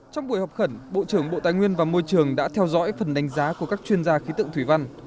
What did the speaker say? trong buổi họp khẩn bộ trưởng bộ tài nguyên và môi trường đã theo dõi phần đánh giá của các chuyên gia khí tượng thủy văn